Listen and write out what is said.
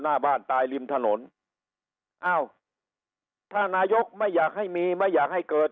หน้าบ้านตายริมถนนอ้าวถ้านายกไม่อยากให้มีไม่อยากให้เกิด